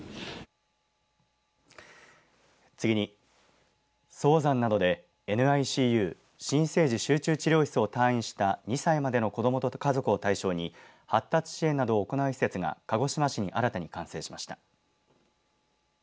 次に、早産などで、ＮＩＣＵ新生児集中治療室を退院した２歳の子どもと家族を対象に発達支援などを行う施設が鹿児島市に新たに完成しました。